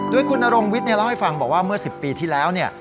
โดยคุณนรงวิทย์เล่าให้ฟังบอกว่าเมื่อ๑๐ปีที่แล้วเนี่ย